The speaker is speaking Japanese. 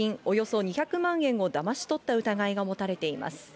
およそ２００万円をだまし取った疑いが持たれています。